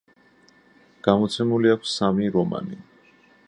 გამოცემული აქვს სამი რომანი.